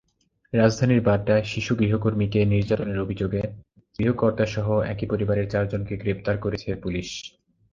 রাজধানীর বাড্ডায় শিশু গৃহকর্মীকে নির্যাতনের অভিযোগে গৃহকর্তাসহ একই পরিবারের চারজনকে গ্রেপ্তার করেছে পুলিশ।